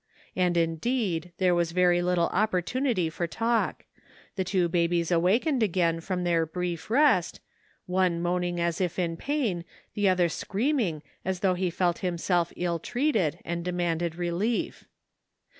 And indeed there was very little opportunity for talk ; the two babies awakened again from their brief rest, one moaning as if in pain, the other screaming as though he felt himself ill treated, and demanded relief.